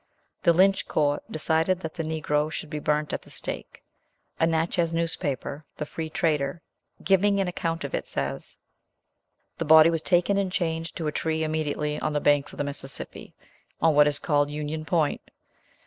The Lynch court decided that the Negro should be burnt at the stake. A Natchez newspaper, the Free Trader, giving an account of it says, "The body was taken and chained to a tree immediately on the banks of the Mississippi, on what is called Union Point.